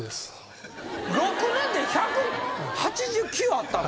６年で１８９あったの？